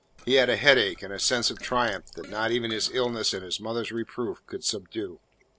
He had a headache and a sense of triumph that not even his illness and his mother's reproof could subdue.